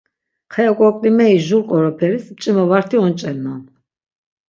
Xe ok̆ok̆limeri jur qoroperis, mç̆ima varti onç̆elnan.